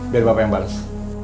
biar bapak yang balas